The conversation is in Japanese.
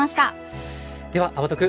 では「あわとく」